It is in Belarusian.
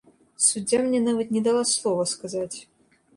Суддзя мне нават не дала слова сказаць.